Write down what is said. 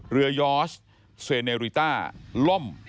เรือยอร์ชเซเนริตาล่ม